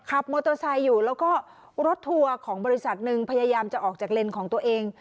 ขับมอเตอร์ไซค์อยู่แล้วก็รถทัวร์ของบริษัทหนึ่งพยายามจะออกจากเลนส์ของตัวเอง